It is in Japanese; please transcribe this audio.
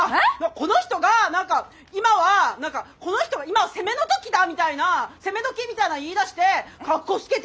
この人が何か今は何かこの人が「今は攻めの時だ」みたいな攻め時みたいな言いだしてかっこつけて。